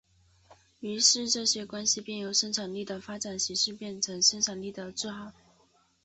于是这些关系便由生产力的发展形式变成生产力的桎梏。